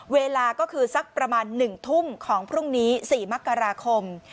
เวลาก็คือสักประมาณ๑ทุ่มของพรุ่งนี้๔มกราคม